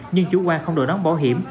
nhưng chủ quan không đội nón bảo hiểm